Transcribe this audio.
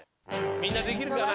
みんなできるかな？